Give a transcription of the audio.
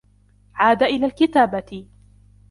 عاد إلى الكتابة.